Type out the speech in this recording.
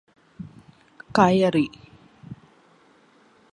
കയറി